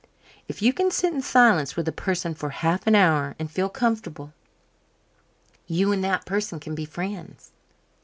If you can sit in silence with a person for half an hour and feel comfortable, you and that person can be friends.